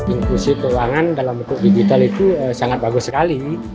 inklusi keuangan dalam bentuk digital itu sangat bagus sekali